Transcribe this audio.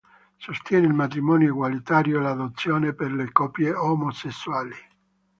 Sostiene il matrimonio egualitario e l'adozione per le coppie omosessuali.